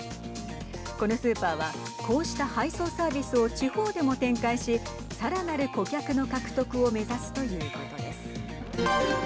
このスーパーは、こうした配送サービスを地方でも展開しさらなる顧客の獲得を目指すということです。